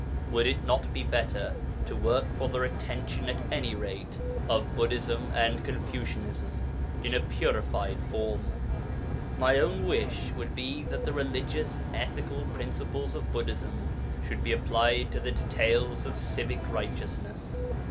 Would it not be better to work for the retention at any rate of Buddhism and Confucianism in a purified form? My own wish would be that the religious ethical principles of Buddhism should be applied to the details of civic righteousness.